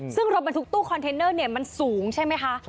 ซึ่งรถบรรทุกตู้คอนเทนเนอร์มันสูงใช่ไหมคะ